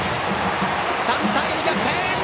３対２、逆転！